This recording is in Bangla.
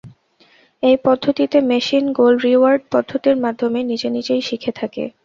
এই পদ্ধতিতে মেশিন গোল-রিওয়ার্ড পদ্ধতির মাধ্যমে নিজে নিজেই শিখে থাকে।